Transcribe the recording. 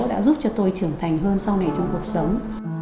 đã giúp cho tôi trưởng thành hơn sau này trong cuộc sống